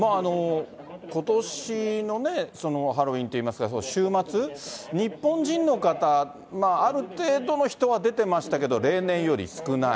ことしのね、ハロウィーンといいますか、週末、日本人の方、ある程度の人は出てましたけれども、例年より少ない。